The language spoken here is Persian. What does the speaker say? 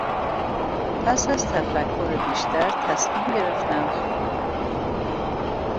پس از تفکر بیشتر تصمیم گرفتم خانه را نخرم.